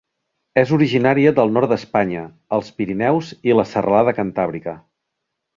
És originària del nord d'Espanya als Pirineus i la serralada Cantàbrica.